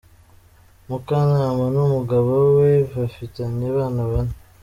Mukanama n’ umugabo we bafitanye abana bane.